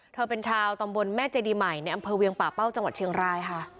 เธอเป็นชาวตำบลแม่เจดีใหม่ในอำเภอเวียงป่าเป้าจังหวัดเชียงรายค่ะ